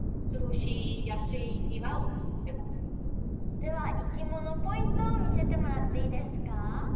ではいきものポイントを見せてもらっていいですか？